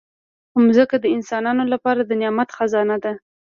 مځکه د انسانانو لپاره د نعمت خزانه ده.